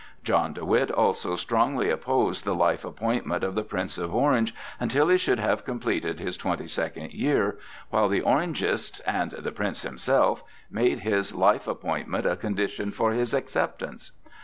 John de Witt also strongly opposed the life appointment of the Prince of Orange until he should have completed his twenty second year, while the Orangists and the Prince himself made his life appointment a condition for his acceptance.